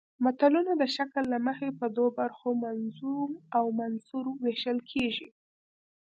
متلونه د شکل له مخې په دوو برخو منظوم او منثور ویشل کیږي